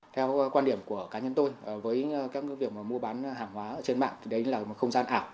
theo quan điểm của cá nhân tôi với các việc mua bán hàng hóa trên mạng thì đấy là một không gian ảo